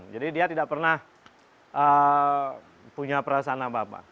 jadi dia tidak pernah punya perasaan apa apa